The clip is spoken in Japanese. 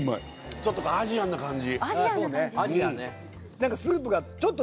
ちょっとアジアンな感じ。